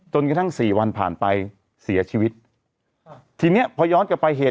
จนกระทั่งสี่วันผ่านไปเสียชีวิตทีเนี้ยพอย้อนกลับไปเหตุ